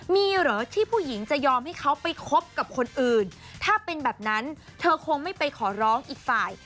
มีเหรอที่ผู้หญิงจะยอมให้เขาไปคบกับคนอื่นถ้าเป็นแบบนั้นเธอคงไม่ไปขอร้องอีกฝ่าย